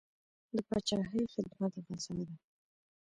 د پاچاهۍ خدمت غزا ده.